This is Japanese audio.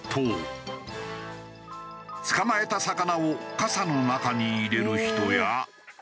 捕まえた魚を傘の中に入れる人や。